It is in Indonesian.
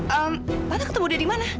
ehm tante ketemu dia di mana